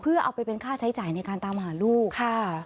เพื่อเอาไปเป็นค่าใช้จ่ายในการตามหาลูกค่ะ